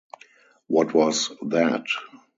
What was that?